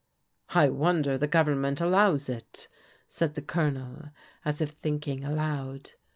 " I wonder why the Government allows it," said the Colonel, as if thinking aloud.